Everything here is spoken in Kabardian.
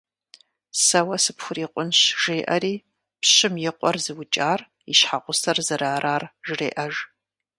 Сэ уэ сыпхурикъунщ жеӀэри, пщым и къуэр зыукӀар и щхьэгъусэр зэрыарар жреӀэж.